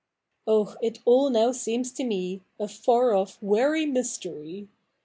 Oh, it all now seems to me A far off weary mysteiy !